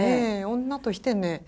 女としてね